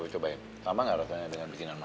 sama gak rasanya dengan bikinan mama